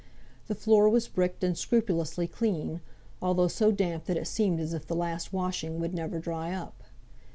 The floor was bricked, and scrupulously clean, although so damp that it seemed as if the last washing would never dry up.